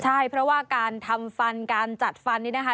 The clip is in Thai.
ใช่เพราะว่าการทำฟันการจัดฟันนี่นะคะ